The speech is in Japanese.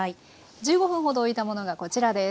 １５分ほどおいたものがこちらです。